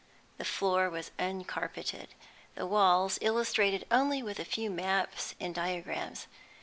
The floor was uncarpeted, the walls illustrated only with a few maps and diagrams.